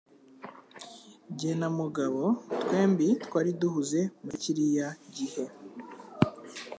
Jye na Mugabo twembi twari duhuze muri kiriya gihe.